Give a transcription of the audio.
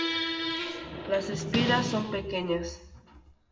Las espiras son pequeñas.